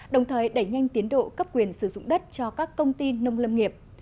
đồng thời đẩy nhanh tiến độ cấp quyền sử dụng đất cho các công ty nông lâm nghiệp